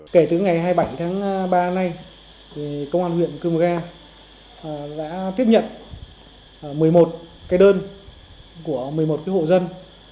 kể từ ngày hai mươi bảy tháng ba nay công an huyện cư mờ ga đã tiếp nhận một mươi một cái đơn của một mươi một hộ dân